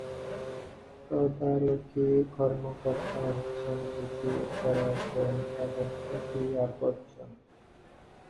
তদারকি কর্মকর্তা হচ্ছেন ডিসি উত্তরা জোন এবং এসি এয়ারপোর্ট জোন।